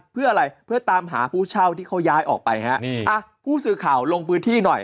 เพื่ออะไรเพื่อตามหาผู้เช่าที่เขาย้ายออกไปฮะนี่อ่ะผู้สื่อข่าวลงพื้นที่หน่อย